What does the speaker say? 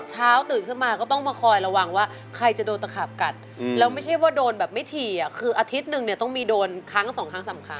เช้าตื่นขึ้นมาก็ต้องมาคอยระวังว่าใครจะโดนตะขาบกัดแล้วไม่ใช่ว่าโดนแบบไม่ถี่คืออาทิตย์หนึ่งเนี่ยต้องมีโดนครั้งสองครั้งสำคัญ